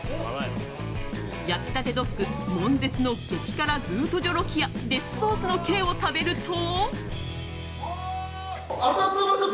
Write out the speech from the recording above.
焼きたてドッグ悶絶の激辛ブートジョロキアデスソースの刑を食べると。